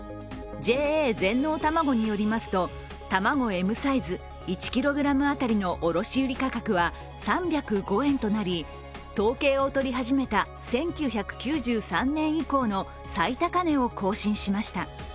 ＪＡ全農たまごによりますとたまごＭサイズ１ｋｇ当たりの卸売価格は３０５円となり統計を取り始めた１９９３年以降の最高値を更新しました。